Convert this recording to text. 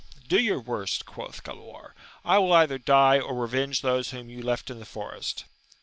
Do your worst ! quoth Galaor : I will either die, or revenge those whom you left in the forest.